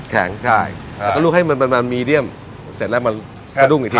ใช่แล้วก็ลูกให้มันมีเดียมเสร็จแล้วมันสะดุ้งอีกที